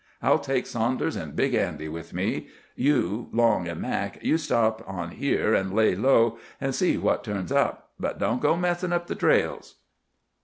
I'll take Saunders an' Big Andy with me. You, Long, an' Mac, you stop on here an' lay low an' see what turns up. But don't go mussin' up the trails."